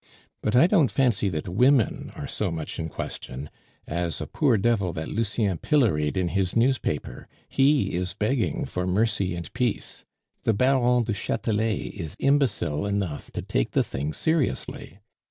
But I don't fancy that the women are so much in question as a poor devil that Lucien pilloried in his newspaper; he is begging for mercy and peace. The Baron du Chatelet is imbecile enough to take the thing seriously.